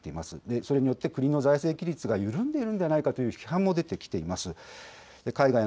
それによって国の財政規律が緩んでいるんではないかという批判も出てきています。